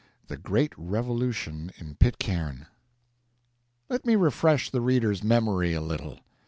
THE GREAT REVOLUTION IN PITCAIRN Let me refresh the reader's memory a little.